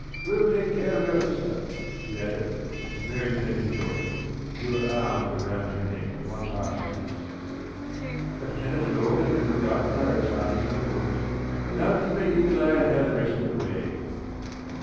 We'll take care of your sister," he added, as Mary turned to Joyce and threw her arms around her neck for one last kiss. "Lieutenant Logan will watch out for her as far as he goes, and I'll keep my eagle eye on her the rest of the way."